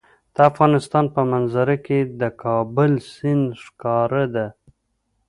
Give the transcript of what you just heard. د افغانستان په منظره کې د کابل سیند ښکاره ده.